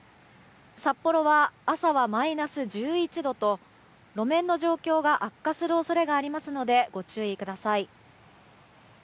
札幌は朝はマイナス１１度と路面の状況が悪化する恐れがありますのでご注意ください。